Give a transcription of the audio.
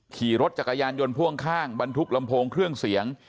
ขี่รถจักรยานยนต์พ่วงข้างบรรทุกลำโพงเครื่องเสียง